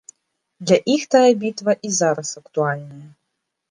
Для іх тая бітва і зараз актуальная.